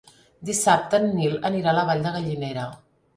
Dissabte en Nil anirà a la Vall de Gallinera.